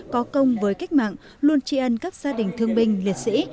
có công với cách mạng luôn tri ân các gia đình thương binh liệt sĩ